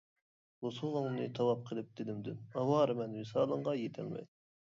بوسۇغاڭنى تاۋاپ قىلىپ دىلىمدىن، ئاۋارىمەن ۋىسالىڭغا يېتەلمەي.